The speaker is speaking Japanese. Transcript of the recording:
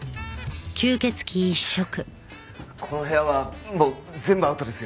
この部屋はもう全部アウトですよね。